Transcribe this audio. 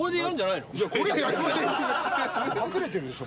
いや隠れてるでしょ